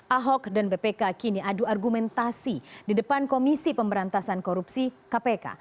ahok dan bpk kini adu argumentasi di depan komisi pemberantasan korupsi kpk